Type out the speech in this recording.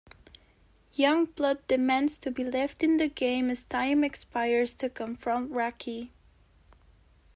Youngblood demands to be left in the game as time expires to confront Racki.